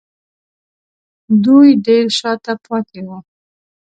دوی ډېر شا ته پاتې وو